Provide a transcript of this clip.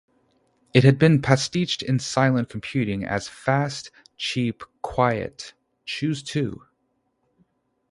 It had been pastiched in silent computing as "fast, cheap, quiet: choose two".